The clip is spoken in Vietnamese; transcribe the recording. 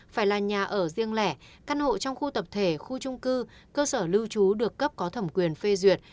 phải là nhà ở riêng lẻ căn hộ trong khu tập thể khu trung cư cơ sở lưu trú được cấp có thẩm quyền phê duyệt